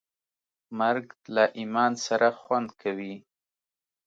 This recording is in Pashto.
مرګ له ایمان سره خوند کوي.